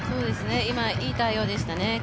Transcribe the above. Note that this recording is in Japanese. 今、いい対応でしたね